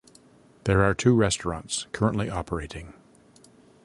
There are two restaurants currently operating.